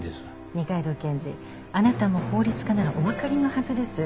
二階堂検事あなたも法律家ならおわかりのはずです。